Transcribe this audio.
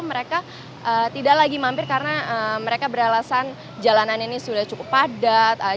mereka tidak lagi mampir karena mereka beralasan jalanan ini sudah cukup padat